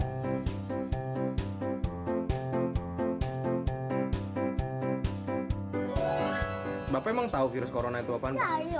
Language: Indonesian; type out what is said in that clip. hai hai hai hai hai hai hai hai hai hai bapak emang tahu virus corona itu apaan